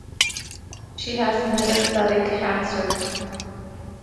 She has metastatic cancer.